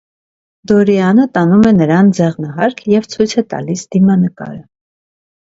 Դորիանը տանում է նրան ձեղնահարկ և ցույց է տալիս դիմանկարը։